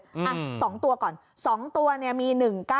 อ่ะ๒ตัวก่อน๒ตัวมี๑๙๙๑๔๔